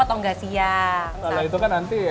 atau nggak siang nah itu kan nanti